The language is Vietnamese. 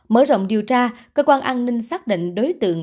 mở rộng điều tra cơ quan an ninh xác định đối tượng